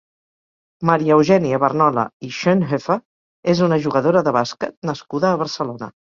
Maria Eugènia Barnola i Schönhöfer és una jugadora de bàsquet nascuda a Barcelona.